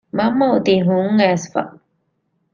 މަންމަ އޮތީ ހުން އައިސްފަ